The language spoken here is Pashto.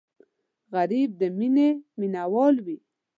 غریب د مینې مینهوال وي